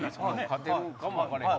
勝てるんかも分からへんから。